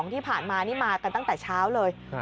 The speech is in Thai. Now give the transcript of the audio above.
ที่ผ่านมานี่มากันตั้งแต่เช้าเลย